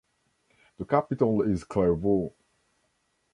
The capital is Clervaux.